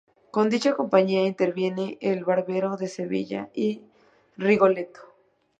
Con dicha compañía interviene en "El barbero de Sevilla" y "Rigoletto".